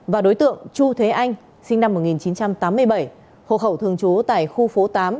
và đối tượng chu thế anh sinh năm một nghìn chín trăm tám mươi bảy hộ khẩu thường trú tại khu phố tám